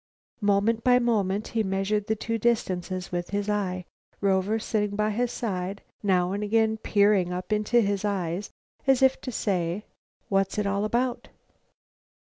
Moment by moment he measured the two distances with his eye. Rover, sitting by his side, now and again peered up into his eyes as if to say: "What's it all about?"